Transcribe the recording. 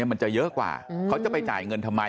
มันจะเยอะกว่าเขาจะไปจ่ายเงินทำไม